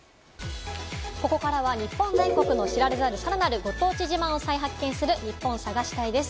ここからは日本全国の知られざるご当地自慢を再発見するニッポン探し隊です。